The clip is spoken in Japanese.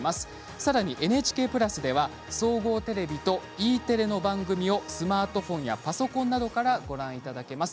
さらにＮＨＫプラスでは総合テレビとＥテレの番組をスマートフォンやパソコンなどからご覧いただけます。